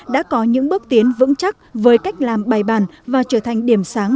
đã có những bước tiến vững chắc với cách làm bài bàn và trở thành điểm sáng